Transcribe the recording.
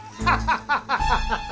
ハハハ！